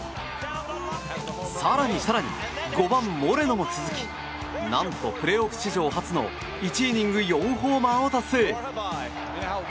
更に更に５番、モレノも続き何と、プレーオフ史上初の１イニング４ホーマーを達成。